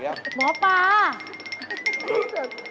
เฮ้ยเหมือนมันเศรษฐ์